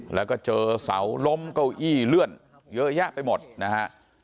แล้วก็เจอเสาล้มเก้าอี้เลื่อนเยอะแยะไปหมดนะฮะ